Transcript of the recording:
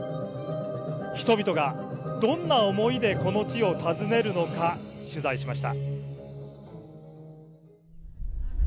人々がどんな思いでこの地を訪ねるのか取材しました。